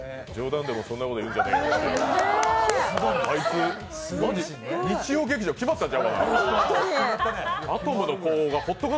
冗談でもそんなこと言うんじゃないよって。